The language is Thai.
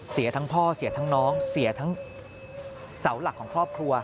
เสียทั้งพ่อเสียทั้งน้องเสียทั้งเสาหลักของครอบครัว